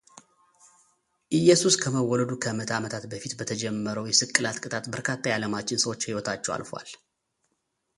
ኢየሱስ ከመወለዱ ከምዕተ ዓመታት በፊት በተጀመረው የስቅላት ቅጣት በርካታ የዓለማችን ሰዎች ሕይወታቸው አልፏል።